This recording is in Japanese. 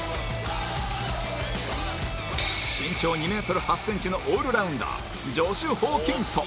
身長２メートル８センチのオールラウンダージョシュ・ホーキンソン